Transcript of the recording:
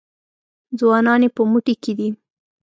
ځوانان یې په موټي کې دي.